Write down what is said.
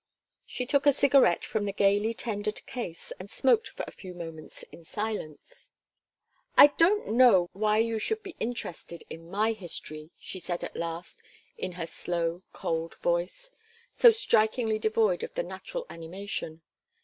She took a cigarette from the gayly tendered case and smoked for a few moments in silence. "I don't know why you should be interested in my history," she said at last in her slow cold voice, so strikingly devoid of the national animation.